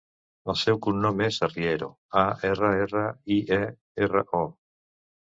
El seu cognom és Arriero: a, erra, erra, i, e, erra, o.